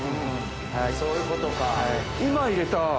そういうことか。